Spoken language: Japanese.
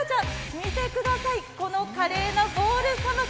見てください、この華麗なボールさばき。